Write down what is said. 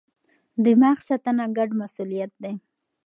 دماغ ساتنه ګډ مسئولیت دی.